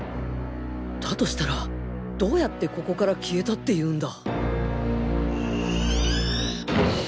だとしたらどうやってここから消えたっていうんだ！？